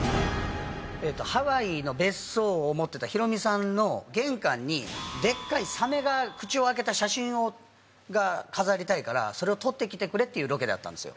ハワイの別荘を持ってたヒロミさんの玄関にでっかいサメが口を開けた写真を飾りたいからそれを撮ってきてくれっていうロケだったんですよ。